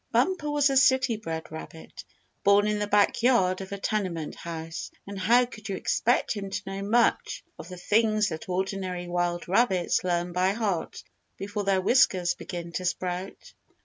Bumper was a city bred rabbit, born in the backyard of a tenement house, and how could you expect him to know much of the things that ordinary wild rabbits learn by heart before their whiskers begin to sprout?